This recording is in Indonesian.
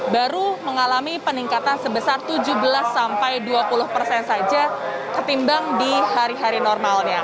baru mengalami peningkatan sebesar tujuh belas sampai dua puluh persen saja ketimbang di hari hari normalnya